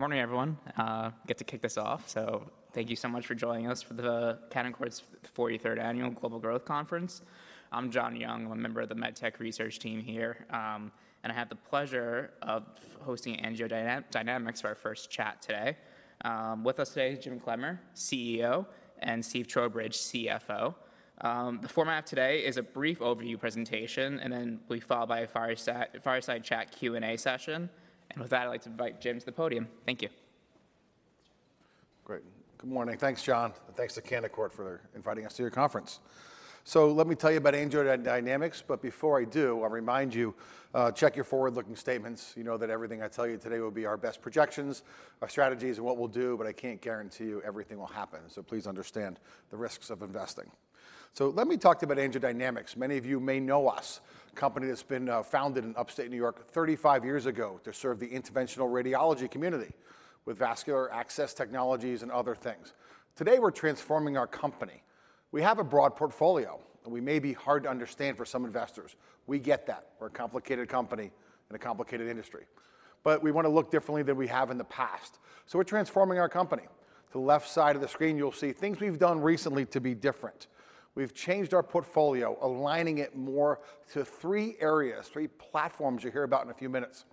Morning, everyone. I get to kick this off. Thank you so much for joining us for the Canaccord's 43rd Annual Global Growth Conference. I'm John Young. I'm a member of the MedTech research team here. I have the pleasure of hosting AngioDynamics for our first chat today. With us today is Jim Clemmer, CEO, and Steve Trowbridge, CFO. The format today is a brief overview presentation. Then will be followed by a fireside chat Q&A session. With that, I'd like to invite Jim to the podium. Thank you. Great. Good morning. Thanks, John, thanks to Canaccord for inviting us to your conference. Let me tell you about AngioDynamics, but before I do, I'll remind you, check your forward-looking statements. You know that everything I tell you today will be our best projections, our strategies, and what we'll do, but I can't guarantee you everything will happen, so please understand the risks of investing. Let me talk to you about AngioDynamics. Many of you may know us, a company that's been founded in upstate New York 35 years ago to serve the interventional radiology community with vascular access technologies and other things. Today, we're transforming our company. We have a broad portfolio, and we may be hard to understand for some investors. We get that. We're a complicated company in a complicated industry, but we want to look differently than we have in the past, so we're transforming our company. To the left side of the screen, you'll see things we've done recently to be different. We've changed our portfolio, aligning it more to three areas, three platforms you'll hear about in a few minutes,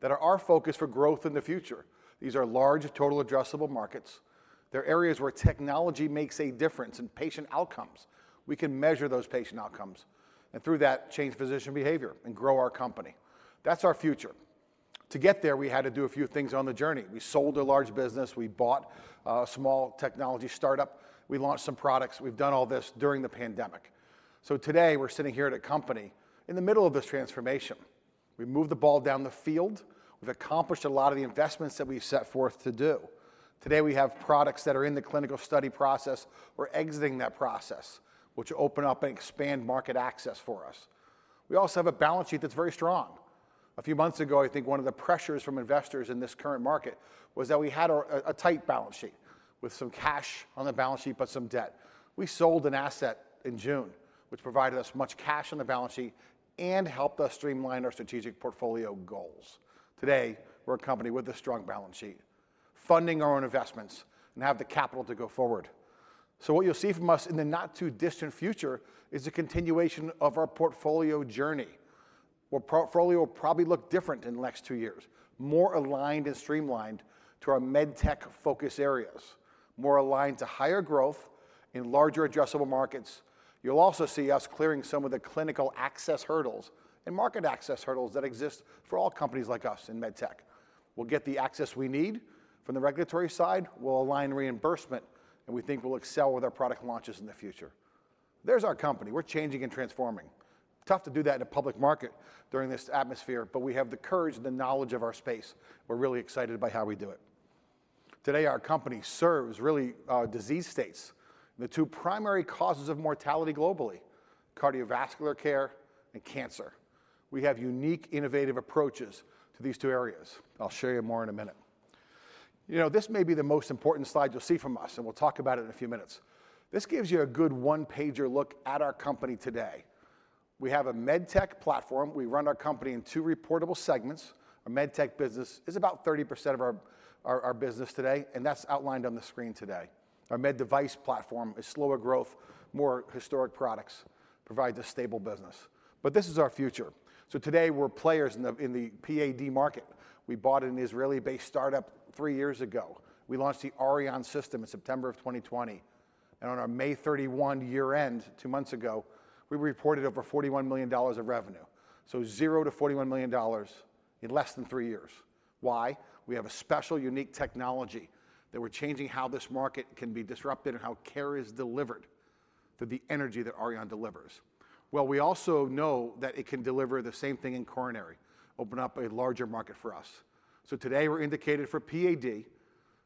that are our focus for growth in the future. These are large, total addressable markets. They're areas where technology makes a difference in patient outcomes. We can measure those patient outcomes, and through that, change physician behavior and grow our company. That's our future. To get there, we had to do a few things on the journey. We sold a large business, we bought a small technology startup, we launched some products. We've done all this during the pandemic. Today, we're sitting here at a company in the middle of this transformation. We moved the ball down the field. We've accomplished a lot of the investments that we've set forth to do. Today, we have products that are in the clinical study process or exiting that process, which open up and expand market access for us. We also have a balance sheet that's very strong. A few months ago, I think one of the pressures from investors in this current market was that we had a tight balance sheet, with some cash on the balance sheet, but some debt. We sold an asset in June, which provided us much cash on the balance sheet and helped us streamline our strategic portfolio goals. Today, we're a company with a strong balance sheet, funding our own investments, and have the capital to go forward. What you'll see from us in the not-too-distant future is a continuation of our portfolio journey, where portfolio will probably look different in the next two years, more aligned and streamlined to our MedTech focus areas, more aligned to higher growth in larger addressable markets. You'll also see us clearing some of the clinical access hurdles and market access hurdles that exist for all companies like us in MedTech. We'll get the access we need from the regulatory side, we'll align reimbursement, and we think we'll excel with our product launches in the future. There's our company. We're changing and transforming. Tough to do that in a public market during this atmosphere, but we have the courage and the knowledge of our space. We're really excited by how we do it. Today, our company serves really, disease states, the two primary causes of mortality globally: cardiovascular care and cancer. We have unique, innovative approaches to these two areas. I'll show you more in a minute. You know, this may be the most important slide you'll see from us, and we'll talk about it in a few minutes. This gives you a good one-pager look at our company today. We have a MedTech platform. We run our company in two reportable segments. Our MedTech business is about 30% of our business today, and that's outlined on the screen today. Our Med Device platform is slower growth, more historic products, provides a stable business. This is our future. Today, we're players in the PAD market. We bought an Israeli-based startup three years ago. We launched the Auryon system in September 2020, and on our May 31 year-end, two months ago, we reported over $41 million of revenue. Zero to $41 million in less than 3 years. Why? We have a special, unique technology, that we're changing how this market can be disrupted and how care is delivered through the energy that Auryon delivers. Well, we also know that it can deliver the same thing in coronary, open up a larger market for us. Today, we're indicated for PAD.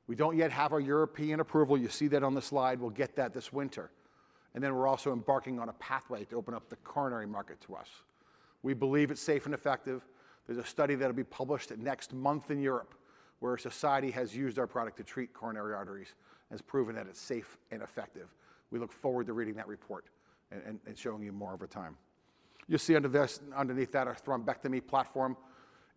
We don't yet have our European approval. You see that on the slide. We'll get that this winter. Then we're also embarking on a pathway to open up the coronary market to us. We believe it's safe and effective. There's a study that'll be published next month in Europe, where a society has used our product to treat coronary arteries and has proven that it's safe and effective. We look forward to reading that report and, and, and showing you more over time. You'll see under this, underneath that, our thrombectomy platform.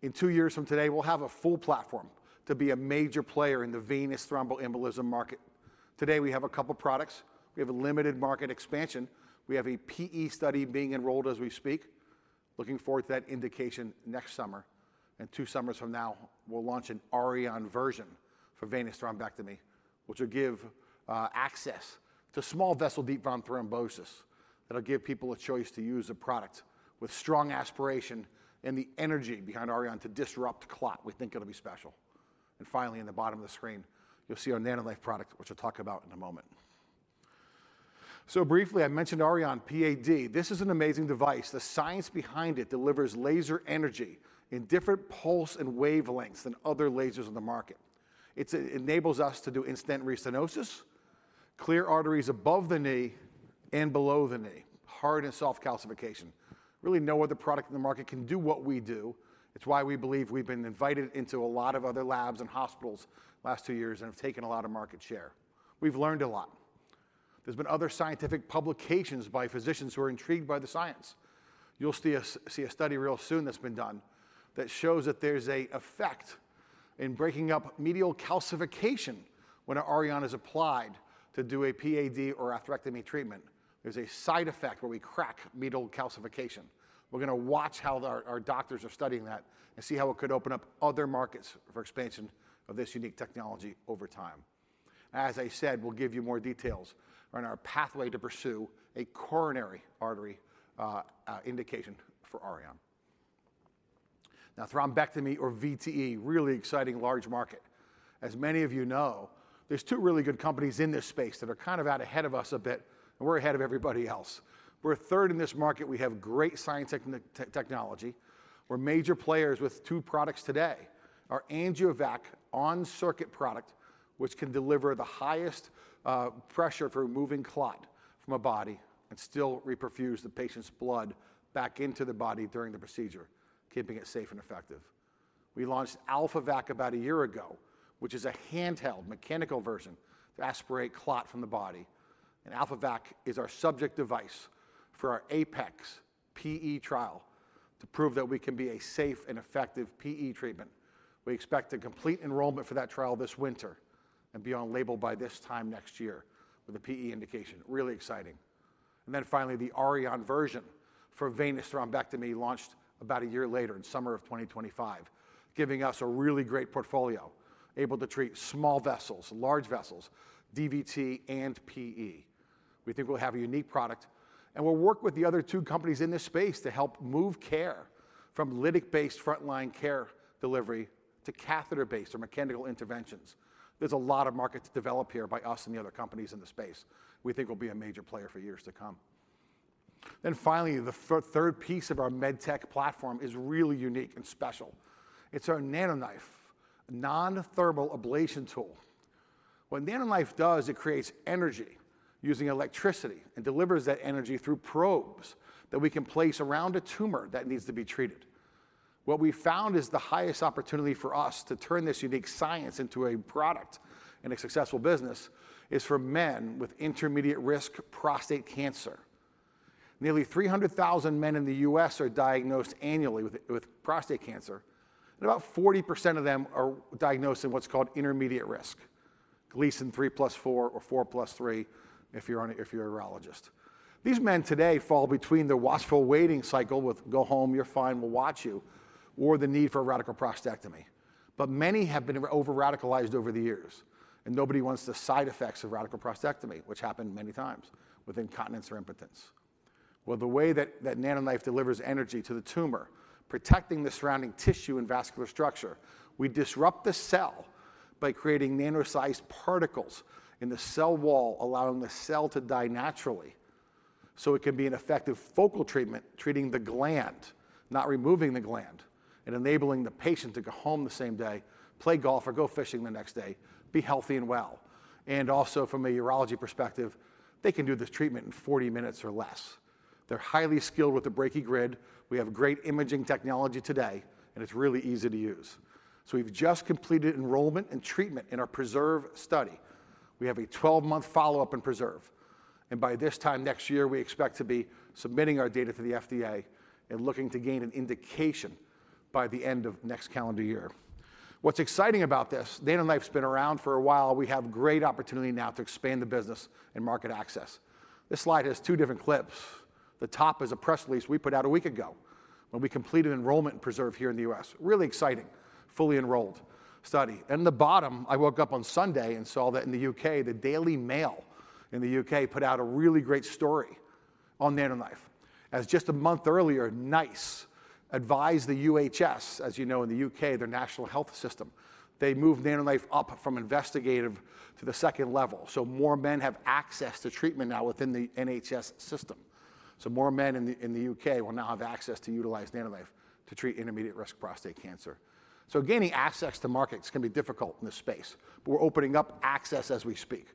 In two years from today, we'll have a full platform to be a major player in the venous thromboembolism market. Today, we have a couple products. We have a limited market expansion. We have a PE study being enrolled as we speak, looking forward to that indication next summer. Two summers from now, we'll launch an Auryon version for venous thrombectomy, which will give, access to small vessel deep vein thrombosis, that'll give people a choice to use a product with strong aspiration and the energy behind Auryon to disrupt clot. We think it'll be special. Finally, in the bottom of the screen, you'll see our NanoKnife product, which I'll talk about in a moment. Briefly, I mentioned Auryon PAD. This is an amazing device. The science behind it delivers laser energy in different pulse and wavelengths than other lasers on the market. It's enables us to do in-stent restenosis, clear arteries above the knee and below the knee, hard and soft calcification. Really, no other product in the market can do what we do. It's why we believe we've been invited into a lot of other labs and hospitals the last two years and have taken a lot of market share. We've learned a lot. There's been other scientific publications by physicians who are intrigued by the science. You'll see a, see a study real soon that's been done that shows that there's a effect in breaking up medial calcification when an Auryon is applied to do a PAD or atherectomy treatment. There's a side effect where we crack medial calcification. We're gonna watch how our, our doctors are studying that and see how it could open up other markets for expansion of this unique technology over time. As I said, we'll give you more details on our pathway to pursue a coronary artery indication for Auryon. Now, thrombectomy or VTE, really exciting large market. As many of you know, there's two really good companies in this space that are kind of out ahead of us a bit, and we're ahead of everybody else. We're third in this market. We have great scientific technology. We're major players with two products today, our AngioVac on-circuit product, which can deliver the highest pressure for removing clot from a body and still reperfuse the patient's blood back into the body during the procedure, keeping it safe and effective. We launched AlphaVac about a year ago, which is a handheld mechanical version to aspirate clot from the body. AlphaVac is our subject device for our APEX-PE trial to prove that we can be a safe and effective PE treatment. We expect to complete enrollment for that trial this winter and be on label by this time next year with a PE indication. Really exciting. Finally, the Auryon version for venous thrombectomy launched about a year later in summer of 2025, giving us a really great portfolio, able to treat small vessels, large vessels, DVT, and PE. We think we'll have a unique product, and we'll work with the other two companies in this space to help move care from lytic-based frontline care delivery to catheter-based or mechanical interventions. There's a lot of market to develop here by us and the other companies in the space. We think we'll be a major player for years to come. Finally, the third piece of our MedTech platform is really unique and special. It's our NanoKnife, a non-thermal ablation tool. What NanoKnife does, it creates energy using electricity and delivers that energy through probes that we can place around a tumor that needs to be treated. What we found is the highest opportunity for us to turn this unique science into a product and a successful business is for men with intermediate-risk prostate cancer. Nearly 300,000 men in the U.S. are diagnosed annually with prostate cancer, about 40% of them are diagnosed in what's called intermediate risk, Gleason 3+4 or 4+3, if you're a urologist. These men today fall between the watchful waiting cycle with, "Go home, you're fine, we'll watch you," or the need for a radical prostatectomy. Many have been over-radicalized over the years, nobody wants the side effects of radical prostatectomy, which happen many times with incontinence or impotence. Well, the way that NanoKnife delivers energy to the tumor, protecting the surrounding tissue and vascular structure, we disrupt the cell by creating nano-sized particles in the cell wall, allowing the cell to die naturally. It can be an effective focal treatment, treating the gland, not removing the gland, and enabling the patient to go home the same day, play golf or go fishing the next day, be healthy and well. Also, from a urology perspective, they can do this treatment in 40 minutes or less. They're highly skilled with the brachytherapy grid. We have great imaging technology today, and it's really easy to use. We've just completed enrollment and treatment in our PRESERVE study. We have a 12-month follow-up in PRESERVE, and by this time next year, we expect to be submitting our data to the FDA and looking to gain an indication by the end of next calendar year. What's exciting about this, NanoKnife's been around for a while. We have great opportunity now to expand the business and market access. This slide has 2 different clips. The top is a press release we put out 1 week ago when we completed enrollment in PRESERVE here in the U.S. Really exciting, fully enrolled study. The bottom, I woke up on Sunday and saw that in the U.K., the Daily Mail in the U.K. put out a really great story on NanoKnife. As just 1 month earlier, NICE advised the NHS, as you know, in the U.K., their National Health Service, they moved NanoKnife up from investigative to the second level. More men have access to treatment now within the NHS system. More men in the, in the U.K. will now have access to utilize NanoKnife to treat intermediate-risk prostate cancer. Gaining access to markets can be difficult in this space, but we're opening up access as we speak.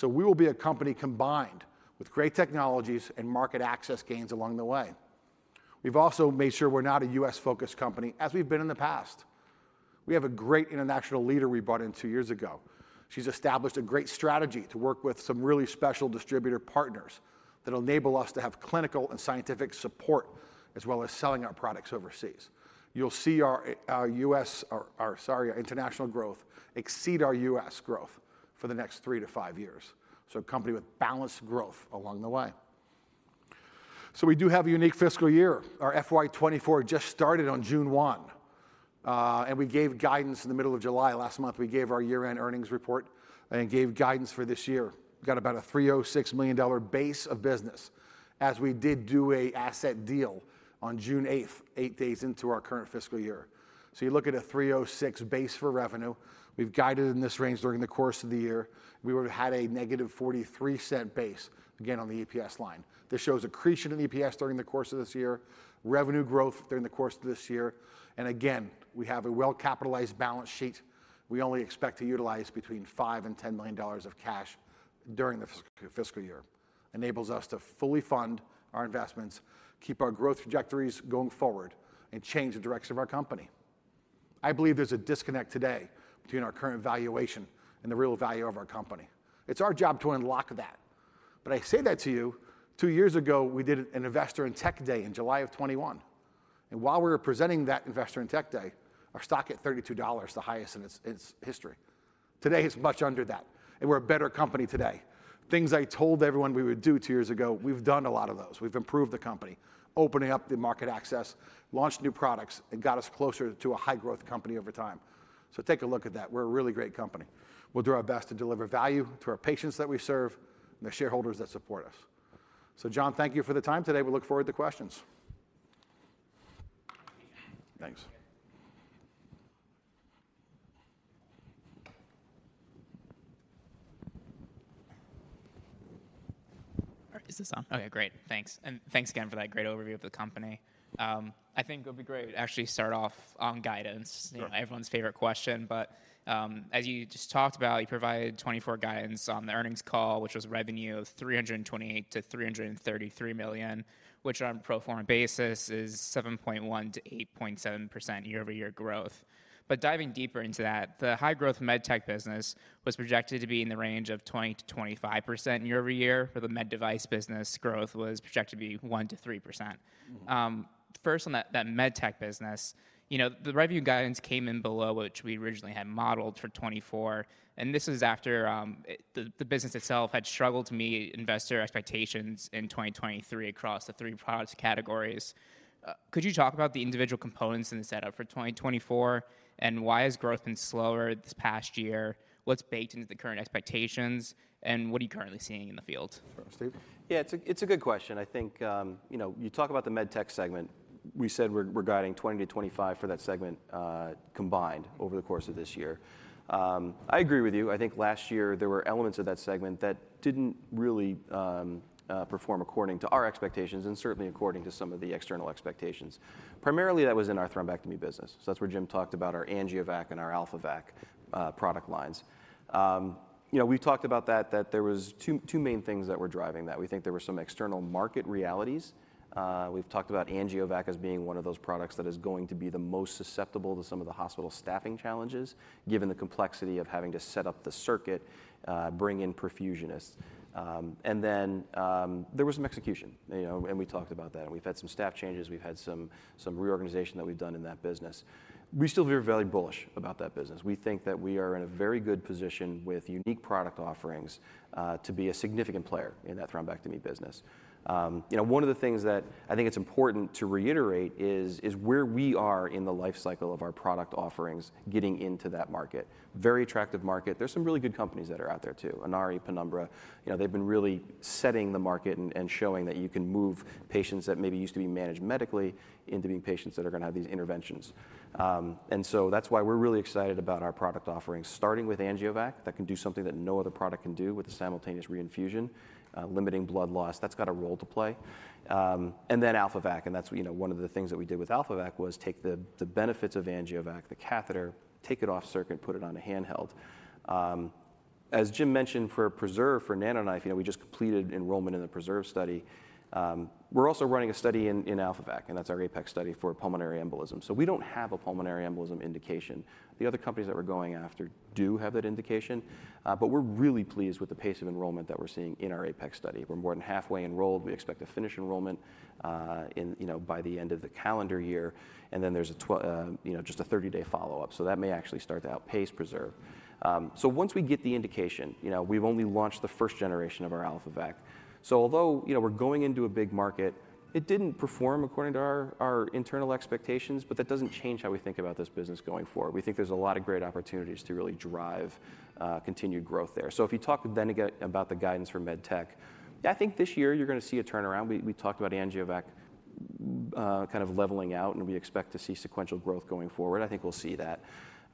We will be a company combined with great technologies and market access gains along the way. We've also made sure we're not a U.S.-focused company, as we've been in the past. We have a great international leader we brought in two years ago. She's established a great strategy to work with some really special distributor partners that enable us to have clinical and scientific support, as well as selling our products overseas. You'll see our U.S. or sorry, our international growth exceed our U.S. growth for the next three to five years. A company with balanced growth along the way. We do have a unique fiscal year. Our FY 2024 just started on June 1, and we gave guidance in the middle of July. Last month, we gave our year-end earnings report and gave guidance for this year. Got about a $306 million base of business, as we did do a asset deal on June 8th, 8 days into our current fiscal year. You look at a $306 base for revenue. We've guided in this range during the course of the year. We would've had a -$0.43 base again on the EPS line. This shows accretion in EPS during the course of this year, revenue growth during the course of this year, and again, we have a well-capitalized balance sheet. We only expect to utilize between $5 million and $10 million of cash during the fiscal year. Enables us to fully fund our investments, keep our growth trajectories going forward, and change the direction of our company. I believe there's a disconnect today between our current valuation and the real value of our company. It's our job to unlock that. I say that to you, two years ago, we did an Investor Technology Day in July of 2021, and while we were presenting that Investor & Technology Day, our stock at $32, the highest in its history. Today, it's much under that. We're a better company today. Things I told everyone we would do two years ago, we've done a lot of those. We've improved the company, opening up the market access, launched new products, and got us closer to a high-growth company over time. Take a look at that. We're a really great company. We'll do our best to deliver value to our patients that we serve and the shareholders that support us. John, thank you for the time today. We look forward to questions. Thanks. All right, is this on? Okay, great. Thanks. Thanks again for that great overview of the company. I think it'd be great to actually start off on guidance. Sure. everyone's favorite question, as you just talked about, you provided 2024 guidance on the earnings call, which was revenue of $328 million-$333 million, which on a pro forma basis, is 7.1%-8.7% year-over-year growth. Diving deeper into that, the high-growth MedTech business was projected to be in the range of 20%-25% year-over-year, where the Med Device business growth was projected to be 1%-3%. First on that, that MedTech business, you know, the revenue guidance came in below which we originally had modeled for 2024. This is after the business itself had struggled to meet investor expectations in 2023 across the three product categories. Could you talk about the individual components in the setup for 2024? Why has growth been slower this past year? What's baked into the current expectations? What are you currently seeing in the field? Steve? Yeah, it's a, it's a good question. I think, you know, you talk about the MedTech segment. We said we're, we're guiding 20%-25% for that segment, combined over the course of this year. I agree with you. I think last year there were elements of that segment that didn't really perform according to our expectations and certainly according to some of the external expectations. Primarily, that was in our thrombectomy business. That's where Jim talked about our AngioVac and our AlphaVac, product lines. You know, we talked about that, that there was two, two main things that were driving that. We think there were some external market realities. We've talked about AngioVac as being one of those products that is going to be the most susceptible to some of the hospital staffing challenges, given the complexity of having to set up the circuit, bring in perfusionists. Then there was some execution, you know, and we talked about that, and we've had some staff changes, we've had some, some reorganization that we've done in that business. We still feel very bullish about that business. We think that we are in a very good position with unique product offerings, to be a significant player in that thrombectomy business. You know, one of the things that I think it's important to reiterate is, is where we are in the life cycle of our product offerings, getting into that market. Very attractive market. There's some really good companies that are out there, too. Inari, Penumbra, you know, they've been really setting the market and showing that you can move patients that maybe used to be managed medically into being patients that are going to have these interventions. That's why we're really excited about our product offerings, starting with AngioVac, that can do something that no other product can do with a simultaneous reinfusion, limiting blood loss. That's got a role to play. AlphaVac, and that's, you know, one of the things that we did with AlphaVac was take the benefits of AngioVac, the catheter, take it off circuit, put it on a handheld. As Jim mentioned, for PRESERVE, for NanoKnife, you know, we just completed enrollment in the PRESERVE study. We're also running a study in AlphaVac, and that's our APEX study for pulmonary embolism. We don't have a pulmonary embolism indication. The other companies that we're going after do have that indication, but we're really pleased with the pace of enrollment that we're seeing in our APEX study. We're more than halfway enrolled. We expect to finish enrollment, in, you know, by the end of the calendar year, and then there's a, you know, just a 30-day follow-up, so that may actually start to outpace PRESERVE. Once we get the indication, you know, we've only launched the first generation of our AlphaVac. Although, you know, we're going into a big market, it didn't perform according to our, our internal expectations, but that doesn't change how we think about this business going forward. We think there's a lot of great opportunities to really drive continued growth there. If you talk again, about the guidance for MedTech, I think this year you're going to see a turnaround. We, we talked about AngioVac, kind of leveling out, and we expect to see sequential growth going forward. I think we'll see that.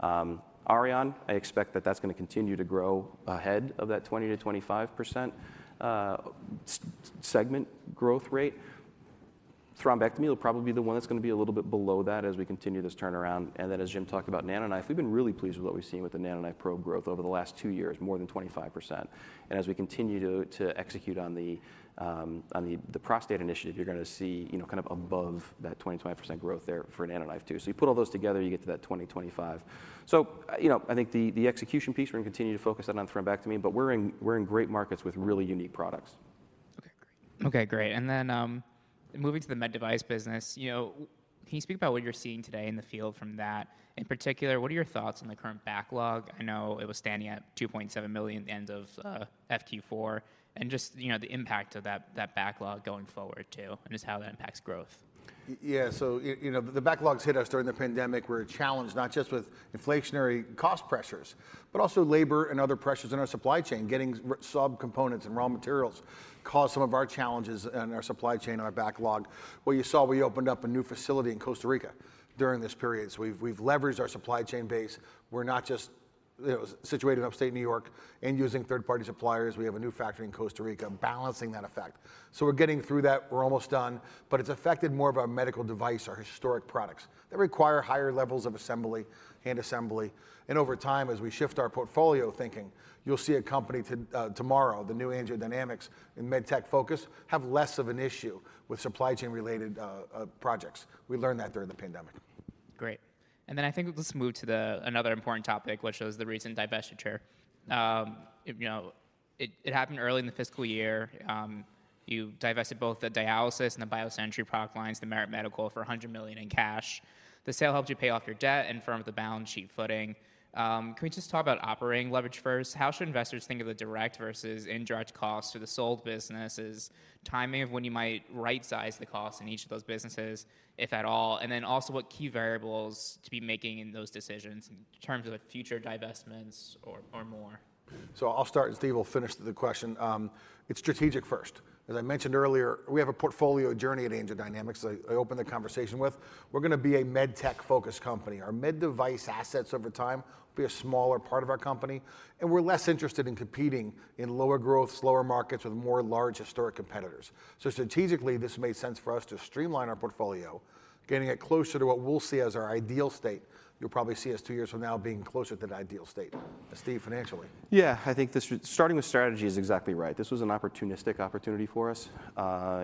Auryon, I expect that that's going to continue to grow ahead of that 20%-25% segment growth rate. Thrombectomy will probably be the one that's going to be a little bit below that as we continue this turnaround. As Jim talked about, NanoKnife, we've been really pleased with what we've seen with the NanoKnife probe growth over the last two years, more than 25%. As we continue to, to execute on the, on the, the prostate initiative, you're going to see, you know, kind of above that [20%-25%] growth there for NanoKnife too. You put all those together, you get to that 20%, 25%. You know, I think the, the execution piece, we're going to continue to focus on thrombectomy, but we're in, we're in great markets with really unique products. Okay, great. Okay, great, and then, moving to the Med Device business, you know, can you speak about what you're seeing today in the field from that? In particular, what are your thoughts on the current backlog? I know it was standing at $2.7 million at the end of, FT 4, and just, you know, the impact of that, that backlog going forward, too, and just how that impacts growth. Yeah, you know, the backlogs hit us during the pandemic. We were challenged not just with inflationary cost pressures, but also labor and other pressures in our supply chain. Getting sub components and raw materials caused some of our challenges in our supply chain and our backlog. What you saw, we opened up a new facility in Costa Rica during this period. We've, we've leveraged our supply chain base. We're not just, you know, situated in upstate New York and using third-party suppliers. We have a new factory in Costa Rica, balancing that effect. We're getting through that. We're almost done, but it's affected more of our medical device, our historic products. They require higher levels of assembly, hand assembly, and over time, as we shift our portfolio thinking, you'll see a company tomorrow, the new AngioDynamics and MedTech focus, have less of an issue with supply chain-related projects. We learned that during the pandemic. Great. I think let's move to the, another important topic, which was the recent divestiture. You know, it happened early in the fiscal year. You divested both the dialysis and the BioSentry product lines, the Merit Medical, for $100 million in cash. The sale helped you pay off your debt and firmed the balance sheet footing. Can we just talk about operating leverage first? How should investors think of the direct versus indirect costs to the sold businesses, timing of when you might rightsize the cost in each of those businesses, if at all, and also what key variables to be making in those decisions in terms of the future divestments or more? I'll start, and Steve will finish the question. It's strategic first. As I mentioned earlier, we have a portfolio journey at AngioDynamics. I opened the conversation with, we're gonna be a Med Tech-focused company. Our Med Device assets over time will be a smaller part of our company, and we're less interested in competing in lower growth, slower markets with more large historic competitors. Strategically, this made sense for us to streamline our portfolio, getting it closer to what we'll see as our ideal state. You'll probably see us two years from now being closer to that ideal state. Steve, financially? Yeah, I think this starting with strategy is exactly right. This was an opportunistic opportunity for us.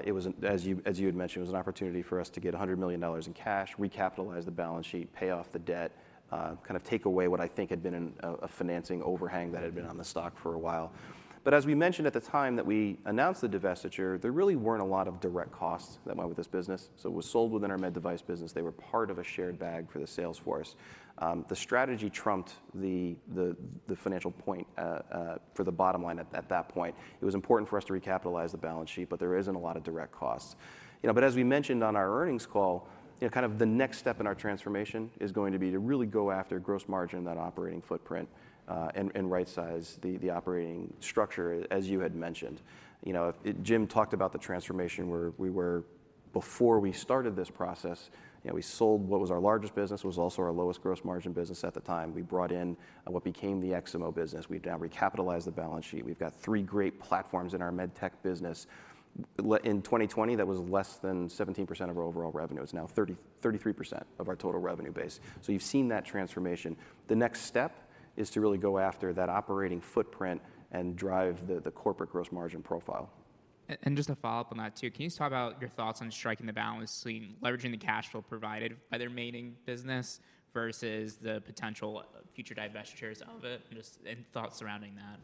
It was, as you, as you had mentioned, it was an opportunity for us to get $100 million in cash, recapitalize the balance sheet, pay off the debt, kind of take away what I think had been an, a financing overhang that had been on the stock for a while. As we mentioned at the time that we announced the divestiture, there really weren't a lot of direct costs that went with this business, so it was sold within our Med Device business. They were part of a shared bag for the sales force. The strategy trumped the, the, the financial point for the bottom line at, at that point. It was important for us to recapitalize the balance sheet, there isn't a lot of direct costs. You know, as we mentioned on our earnings call, you know, kind of the next step in our transformation is going to be to really go after gross margin, that operating footprint, and rightsize the operating structure, as you had mentioned. You know, Jim talked about the transformation where we were before we started this process. You know, we sold what was our largest business, was also our lowest gross margin business at the time. We brought in what became the Eximo business. We've now recapitalized the balance sheet. We've got three great platforms in our MedTech business. In 2020, that was less than 17% of our overall revenue. It's now 33% of our total revenue base. You've seen that transformation. The next step is to really go after that operating footprint and drive the corporate gross margin profile. Just to follow up on that too, can you just talk about your thoughts on striking the balance between leveraging the cash flow provided by their remaining business versus the potential future divestitures of it, just, and thoughts surrounding that?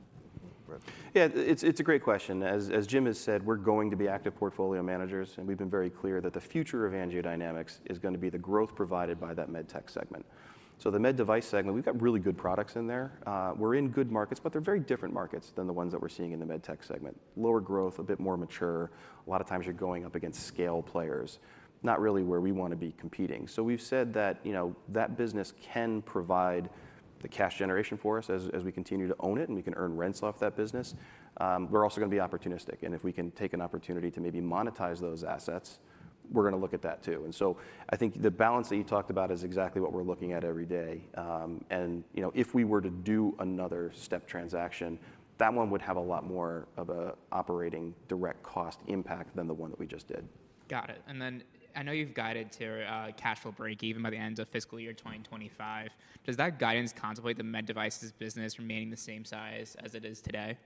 Yeah, it's a great question. As Jim has said, we're going to be active portfolio managers, and we've been very clear that the future of AngioDynamics is gonna be the growth provided by that MedTech segment. The Med Device segment, we've got really good products in there. We're in good markets, but they're very different markets than the ones that we're seeing in the MedTech segment. Lower growth, a bit more mature. A lot of times you're going up against scale players, not really where we want to be competing. We've said that, you know, that business can provide the cash generation for us as we continue to own it, and we can earn rents off that business. We're also gonna be opportunistic, and if we can take an opportunity to maybe monetize those assets, we're gonna look at that too. I think the balance that you talked about is exactly what we're looking at every day. You know, if we were to do another step transaction, that one would have a lot more of a operating direct cost impact than the one that we just did. Got it. Then I know you've guided to a cash flow break even by the end of fiscal year 2025. Does that guidance contemplate the Med Device business remaining the same size as it is today?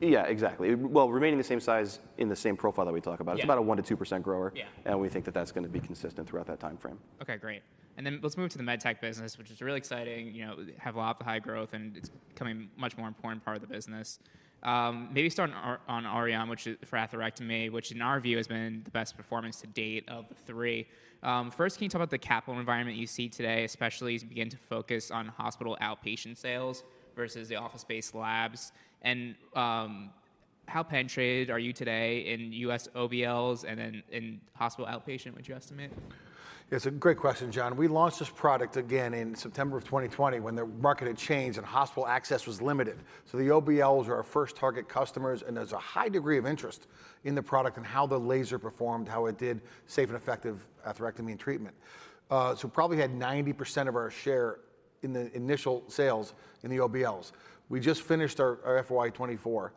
Yeah, exactly. Well, remaining the same size in the same profile that we talk about. Yeah. It's about a 1%-2% grower. Yeah. We think that that's gonna be consistent throughout that time frame. Okay, great. Let's move to the MedTech business, which is really exciting. You know, have a lot of high growth, and it's becoming a much more important part of the business. Maybe start on Auryon, which is for atherectomy, which in our view, has been the best performance to date of the three. First, can you talk about the capital environment you see today, especially as you begin to focus on hospital outpatient sales versus the Office-Based Labs? How penetrated are you today in U.S. OBLs and in, in hospital outpatient, would you estimate? It's a great question, John. We launched this product again in September of 2020, when the market had changed and hospital access was limited. The OBLs were our first target customers, and there's a high degree of interest in the product and how the laser performed, how it did safe and effective atherectomy treatment. Probably had 90% of our share in the initial sales in the OBLs. We just finished our, our FY 2024,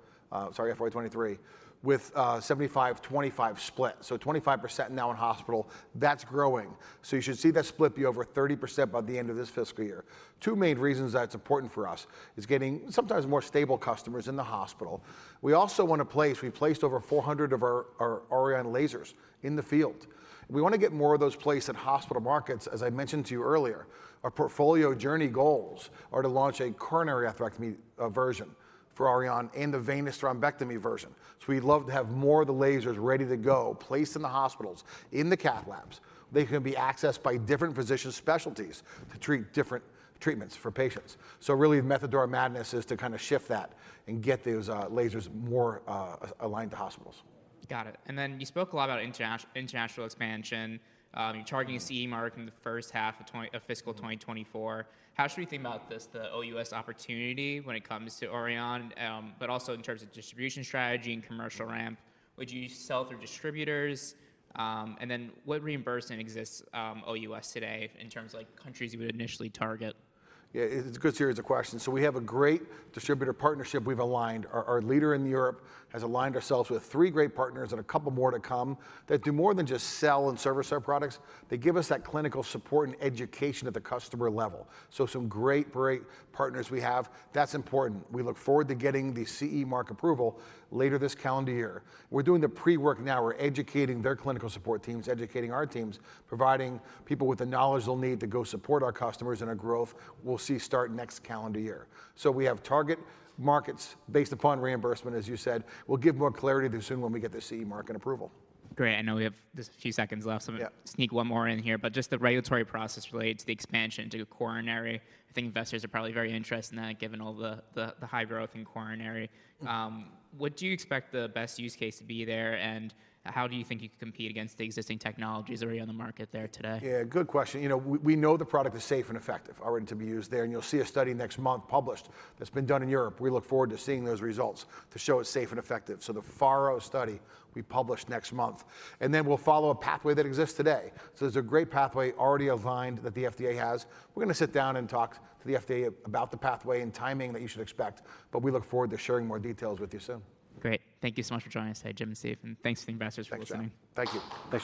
sorry, FY 2023, with a 75%, 25% split. 25% now in hospital, that's growing. You should see that split be over 30% by the end of this fiscal year. Two main reasons that's important for us is getting sometimes more stable customers in the hospital. We also want to place-- we've placed over 400 of our, our Auryon lasers in the field. We want to get more of those placed at hospital markets, as I mentioned to you earlier. Our portfolio journey goals are to launch a coronary atherectomy version for Auryon and the venous thrombectomy version. We'd love to have more of the lasers ready to go, placed in the hospitals, in the cath labs. They can be accessed by different physician specialties to treat different treatments for patients. Really, the method to our madness is to kind of shift that and get those lasers more aligned to hospitals. Got it. You spoke a lot about international expansion. You're targeting a CE mark in the first half of fiscal 2024. How should we think about this, the OUS opportunity when it comes to Auryon? Also in terms of distribution strategy and commercial ramp, would you sell through distributors? What reimbursement exists OUS today in terms of like countries you would initially target? It's a good series of questions. We have a great distributor partnership we've aligned. Our, our leader in Europe has aligned ourselves with three great partners and a couple more to come, that do more than just sell and service our products. They give us that clinical support and education at the customer level. Some great, great partners we have. That's important. We look forward to getting the CE mark approval later this calendar year. We're doing the pre-work now. We're educating their clinical support teams, educating our teams, providing people with the knowledge they'll need to go support our customers, and our growth we'll see start next calendar year. We have target markets based upon reimbursement, as you said. We'll give more clarity there soon when we get the CE mark and approval. Great. I know we have just a few seconds left- Yeah I'm gonna sneak one more in here, but just the regulatory process related to the expansion to coronary. I think investors are probably very interested in that, given all the, the, the high growth in coronary. What do you expect the best use case to be there, and how do you think you can compete against the existing technologies already on the market there today? Yeah, good question. You know, we, we know the product is safe and effective, already to be used there, and you'll see a study next month published that's been done in Europe. We look forward to seeing those results to show it's safe and effective. The FARO study we publish next month, and then we'll follow a pathway that exists today. There's a great pathway already outlined that the FDA has. We're gonna sit down and talk to the FDA about the pathway and timing that you should expect, but we look forward to sharing more details with you soon. Great. Thank you so much for joining us today, Jim and Steve, and thanks to the investors for joining. Thank you. Thanks, John.